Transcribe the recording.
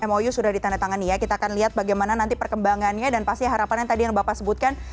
mou sudah ditandatangani ya kita akan lihat bagaimana nanti perkembangannya dan pasti harapannya tadi yang bapak sebutkan